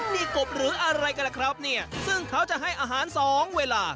นี่กบหรืออะไรกันล่ะครับเนี่ยซึ่งเขาจะให้อาหารสองเวลา